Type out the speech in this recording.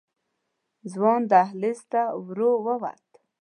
ځوان دهلېز ته ورو ووت.